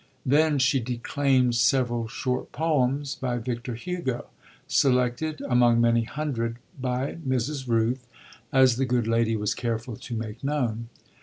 Then she declaimed several short poems by Victor Hugo, selected among many hundred by Mrs. Rooth, as the good lady was careful to make known.